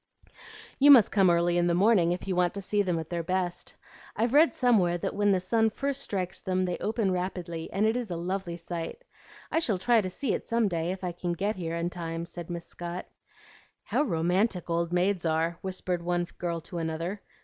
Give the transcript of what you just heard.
"You must come early in the morning if you want to see them at their best. I've read somewhere that when the sun first strikes them they open rapidly, and it is a lovely sight. I shall try to see it some day if I can get here in time," said Miss Scott. "How romantic old maids are!" whispered one girl to another.